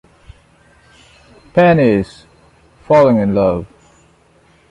Penny’s falling in love.